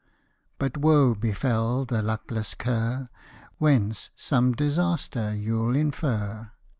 But woe befel the luckless cur ; Whence some disaster, you'll infer.